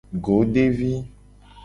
Godevi.